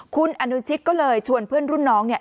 คุณอนุชิตก็เลยชวนเพื่อนรุ่นน้องเนี่ย